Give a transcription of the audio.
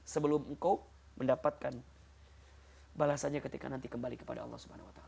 sebelum engkau mendapatkan balasannya ketika nanti kembali kepada allah swt